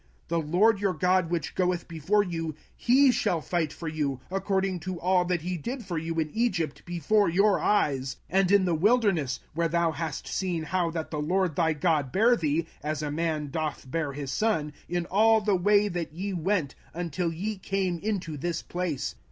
05:001:030 The LORD your God which goeth before you, he shall fight for you, according to all that he did for you in Egypt before your eyes; 05:001:031 And in the wilderness, where thou hast seen how that the LORD thy God bare thee, as a man doth bear his son, in all the way that ye went, until ye came into this place.